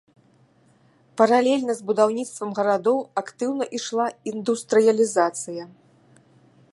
Паралельна з будаўніцтвам гарадоў актыўна ішла індустрыялізацыя.